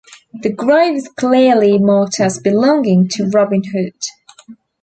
The grave is clearly marked as belonging to Robin Hood.